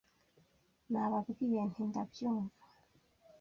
nababwiye nti ndabyumva